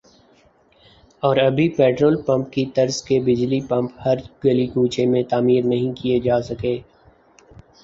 اور ابھی petrol pump کی طرز کے بجلی پمپ ہر گلی کوچے میں تعمیر نہیں کئے جاسکے